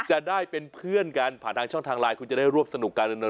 จะได้เป็นเพื่อนกันผ่านทางช่องทางไลน์คุณจะได้รวบสนุกการดำเนิน